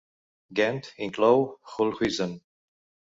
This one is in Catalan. Gendt inclou Hulhuizen.